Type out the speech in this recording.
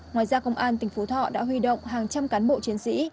ngoài ra công an tỉnh phú thọ đã huy động hàng trăm cán bộ chiến sĩ